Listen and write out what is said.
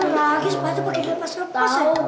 lagi sepatu pakai lepas lepas ya